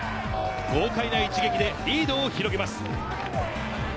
豪快な一撃でリードを広げます。